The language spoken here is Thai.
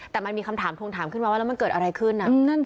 แต่มันมีคำถามทวงถามขึ้นมาว่าแล้วมันเกิดอะไรขึ้น